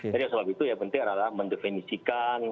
jadi sebab itu yang penting adalah mendefinisikan